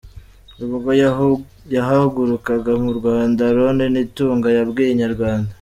Ubwo yahagurukaga mu Rwanda Aaron Nitunga yabwiye Inyarwanda.